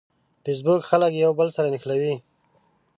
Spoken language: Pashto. فېسبوک خلک یو بل سره نښلوي